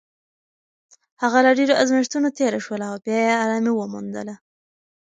هغه له ډېرو ازمېښتونو تېره شوه او بیا یې ارامي وموندله.